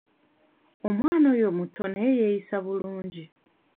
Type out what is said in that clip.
Omwana oyo muto naye yeeyisa bulungi.